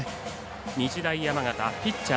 日大山形ピッチャー